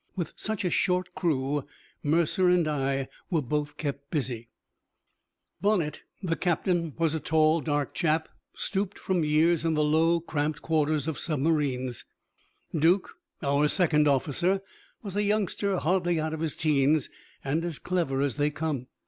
With such a short crew, Mercer and I were both kept busy. Bonnett, the captain, was a tall, dark chap, stooped from years in the low, cramped quarters of submarines. Duke, our second officer, was a youngster hardly out of his 'teens, and as clever as they come.